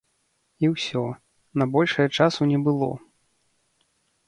І ўсё, на большае часу не было.